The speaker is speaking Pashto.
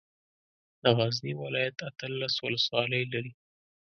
د غزني ولايت اتلس ولسوالۍ لري.